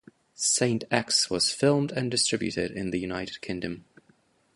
"Saint-Ex" was filmed and distributed in the United Kingdom.